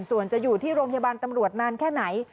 ส่วนจะอยู่ที่โรงพยาบาลตำรวจนานแค่ไหน